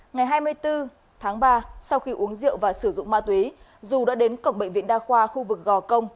ngày hai mươi bốn tháng ba sau khi uống rượu và sử dụng ma túy dù đã đến cổng bệnh viện đa khoa khu vực gò công